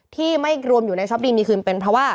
ที่ไม่รวมอยู่ในช็อปดีมีคืนเป็นเพราะว่า